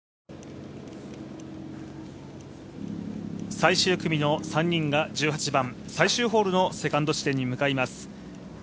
最終組の３人が１８番、最終ホールのセカンド地点に送ります。